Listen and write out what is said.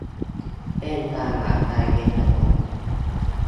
เส้นทางหลักกลายเป็นถนน